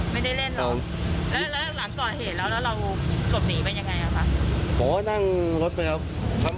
แล้วตอนช่วงเกิดเหตุเราเล่นยาไหม